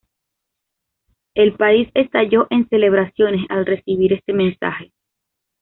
El país estalló en celebraciones al recibir este mensaje.